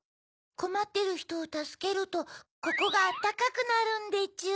こまってるひとをたすけるとここがあったかくなるんでちゅ。